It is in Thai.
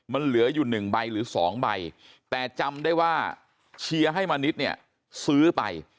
มันเหลืออยู่๑ใบหรือ๒ใบแต่จำได้ว่าเชียร์ให้มณิษฐ์เนี่ยซื้อไป